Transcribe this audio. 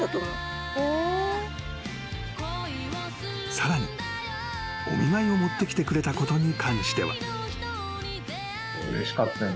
［さらにお見舞いを持ってきてくれたことに関しては］